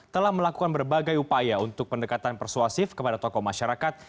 telah melakukan berbagai upaya untuk pendekatan persuasif kepada tokoh masyarakat